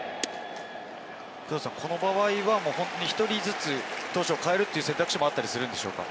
この場合は１人ずつ投手を代えるという選択肢もあるんでしょうか？